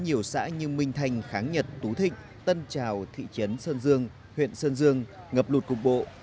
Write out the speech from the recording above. nhiều xã như minh thanh kháng nhật tú thịnh tân trào thị trấn sơn dương huyện sơn dương ngập lụt cục bộ